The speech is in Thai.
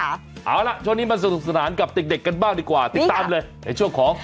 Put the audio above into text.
เอาล่ะช่วงนี้มาสนุกสนานกับเด็กกันบ้างดีกว่าติดตามเลยในช่วงของ